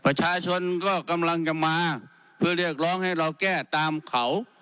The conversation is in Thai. ประชาชนก็กำลังจะมาเพื่อเรียกร้องให้เราแก้ตามเขา